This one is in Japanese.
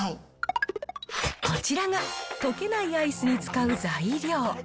こちらが溶けないアイスに使う材料。